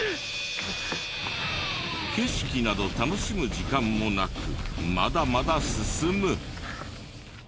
景色など楽しむ時間もなくまだまだ進む。